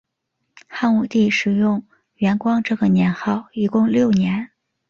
汉武帝使用元光这个年号一共六年。